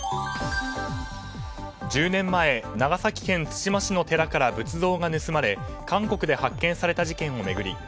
１０年前長崎県対馬市の寺から仏像が盗まれ韓国で発見された事件を巡り